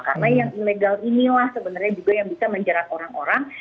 karena yang ilegal inilah sebenarnya juga yang bisa menjerat orang orang